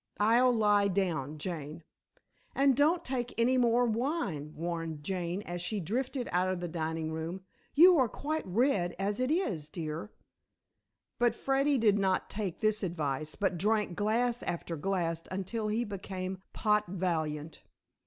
"I'll lie down, Jane." "And don't take any more wine," warned Jane, as she drifted out of the dining room. "You are quite red as it is, dear." But Freddy did not take this advice, but drank glass after glass until he became pot valiant.